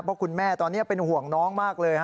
เพราะคุณแม่ตอนนี้เป็นห่วงน้องมากเลย